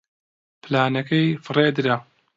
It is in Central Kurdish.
پلانەکەی فڕێ درا.